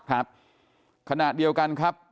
ครับขณะเดียวกันครับ